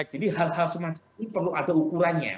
jadi hal hal semacam ini perlu ada ukurannya